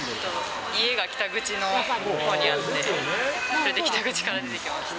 家が北口のほうにあって、それで北口から出てきました。